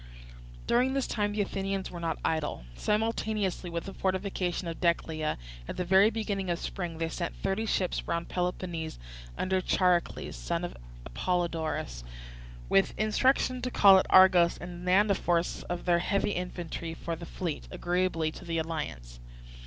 During this time the Athenians were not idle. Simultaneously with the fortification of Decelea, at the very beginning of spring, they sent thirty ships round Peloponnese, under Charicles, son of Apollodorus, with instructions to call at Argos and demand a force of their heavy infantry for the fleet, agreeably to the alliance.